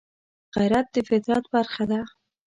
غیرت د فطرت برخه ده